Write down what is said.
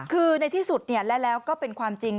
คือในที่สุดและแล้วก็เป็นความจริง